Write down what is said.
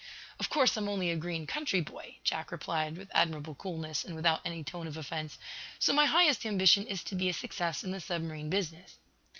"Of course, I'm only a green country boy," Jack replied, with admirable coolness, and without any tone of offence. "So my highest ambition is to be a success in the submarine business."